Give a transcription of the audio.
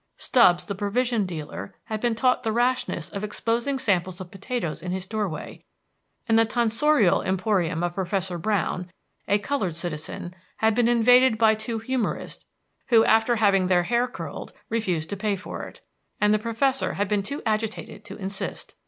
Stubbs, the provision dealer, had been taught the rashness of exposing samples of potatoes in his door way, and the "Tonsorial Emporium" of Professor Brown, a colored citizen, had been invaded by two humorists, who, after having their hair curled, refused to pay for it, and the professor had been too agitated to insist.